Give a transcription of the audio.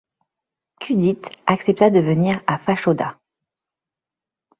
Kudit accepta de venir à Fachoda.